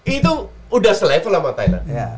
itu udah selevel sama thailand